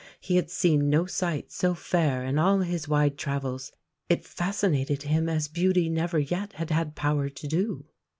He had seen no sight so fair in all his wide travels; it fascinated him as beauty never yet had had power to do.